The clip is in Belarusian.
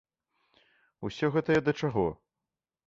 Усё гэта я да чаго?